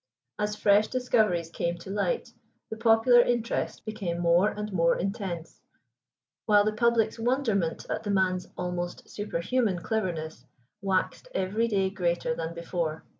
As fresh discoveries came to light, the popular interest became more and more intense, while the public's wonderment at the man's almost superhuman cleverness waxed every day greater than before.